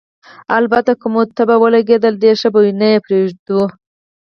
البته که مو په طبعه ولګېدل، ډېر به ښه وي، نه یې پرېږدو.